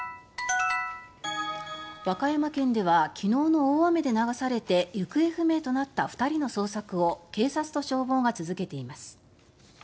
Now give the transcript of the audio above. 和歌山県では昨日の大雨で流されて行方不明となった２人の捜索を警察と消防が続けています。